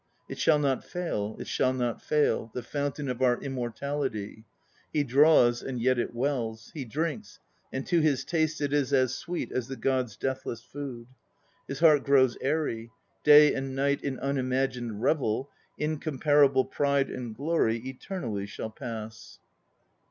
5 It shall not fail, it shall not fail, The fountain of our Immortality; He draws, and yet it wells; He drinks, and to his taste it is as sweet As the Gods' deathless food. His heart grows airy; day and night In unimagined revel, incomparable pride and glory Eternally shall pass.